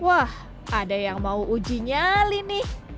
wah ada yang mau uji nyali nih